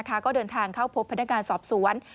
ก็เดินทางเข้าพบพนักงานสอบสวน